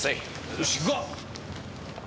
よし行くか。